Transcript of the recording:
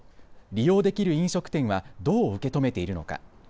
利用できる飲食店はどう受け止めているのか。